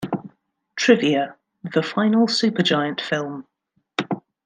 Trivia: The final Super Giant film.